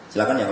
silahkan ya pak